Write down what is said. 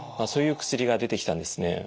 そういう薬が出てきたんですね。